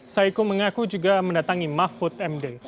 saiku mengaku juga mendatangi mahfud md